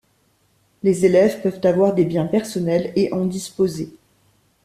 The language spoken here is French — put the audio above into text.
Les élèves peuvent avoir des biens personnels et en disposer.